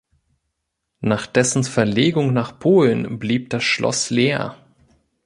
Nach dessen Verlegung nach Polen blieb das Schloss leer.